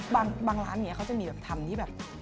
บางร้านอย่างนี้เขาจะมีแบบทำที่แบบ